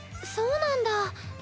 そうなんだ。